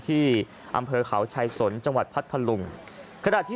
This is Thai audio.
ที่อำเภอขาวชายสนจังหวัดพัฒนธรรม